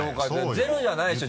ゼロじゃないでしょ？